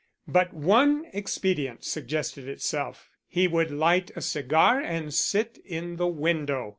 But one expedient suggested itself. He would light a cigar and sit in the window.